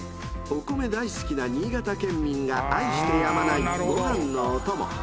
［お米大好きな新潟県民が愛してやまない］